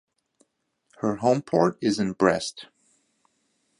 Her homeport is in Brest.